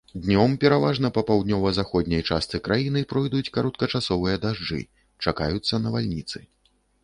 Днём пераважна па паўднёва-заходняй частцы краіны пройдуць кароткачасовыя дажджы, чакаюцца навальніцы.